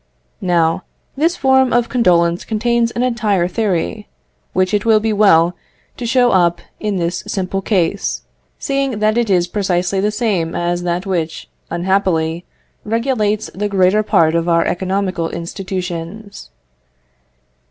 Now, this form of condolence contains an entire theory, which it will be well to show up in this simple case, seeing that it is precisely the same as that which, unhappily, regulates the greater part of our economical institutions.